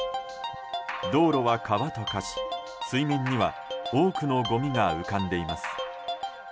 道路は川と化し、水面には多くのごみが浮かんでいます。